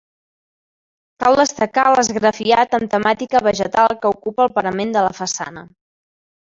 Cal destacar l'esgrafiat amb temàtica vegetal que ocupa el parament de la façana.